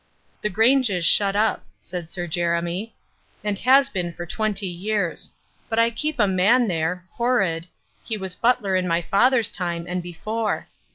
"The Grange is shut up," said Sir Jeremy, "and has been for twenty years. But I keep a man there Horrod he was butler in my father's time and before.